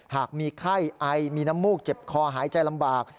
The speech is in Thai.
หากมีไข้ไอมีน้ำมูกเจ็บคอหายใจลำบาก